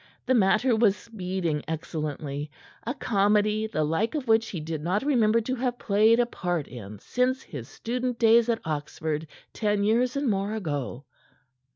The matter was speeding excellently a comedy the like of which he did not remember to have played a part in since his student days at Oxford, ten years and more ago.